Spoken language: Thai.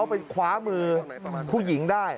ไปคว้ามือผู้หญิงได้